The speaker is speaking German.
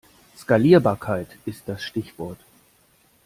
Skalierbarkeit ist das Stichwort.